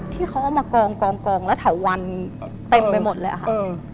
ที่เขาเอามากองกองแล้วเถาวันเต็มไปหมดเลยอะค่ะ